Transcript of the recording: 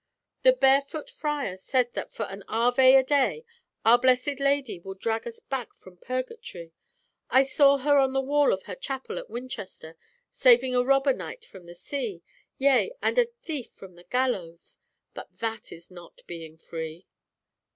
The barefoot friar said that for an Ave a day, our Blessed Lady will drag us back from purgatory. I saw her on the wall of her chapel at Winchester saving a robber knight from the sea, yea and a thief from the gallows; but that is not being free."